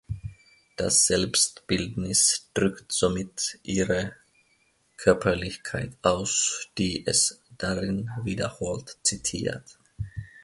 Das Selbstbildnis drückt somit ihre Körperlichkeit aus, die es darin wiederholt zitiert.